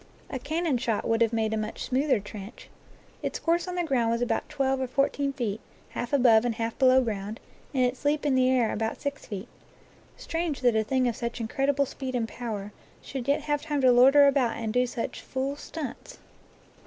A cannon shot would have made a much smoother trench. Its course en the ground was about twelve or fourteen feet, half above and half below ground, and its leap in the. air about six feet. Strange that a thing of such incredible speed and power should yet have time to loiter about and do such " fool stunts